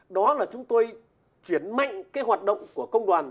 đó là chúng tôi chuyển mạnh cái hoạt động của công đoàn